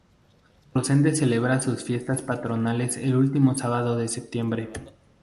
Rosende celebra sus fiestas patronales el último sábado de septiembre.